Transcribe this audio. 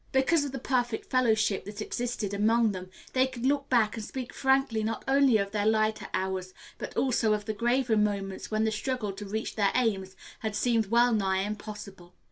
Because of the perfect fellowship that existed among them, they could look back and speak frankly not only of their lighter hours, but also of the graver moments when the struggle to reach their aims had seemed well nigh impossible.